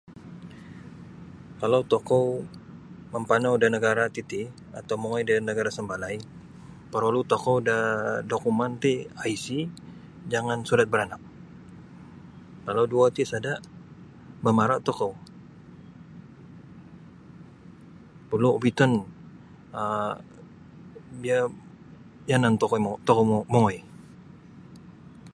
Kalau tokou mampanau da nagara titi atau mongoi da nagara sambalai parlu tokou da dakumen ti IC jangan surat baranak kalau duo ti sada mamara' tokou perlu biton um bio yanan tokoi tokou mau mongoi.